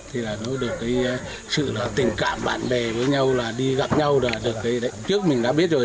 thì là nó được cái sự tình cảm bạn bè với nhau là đi gặp nhau là được cái đấy trước mình đã biết rồi